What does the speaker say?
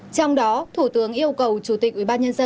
trong đó thủ tướng yêu cầu chủ tịch ubnd